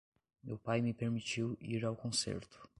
Meu pai me permitiu ir ao concerto.